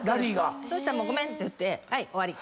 そしたら「ごめん」って言ってはい終わり。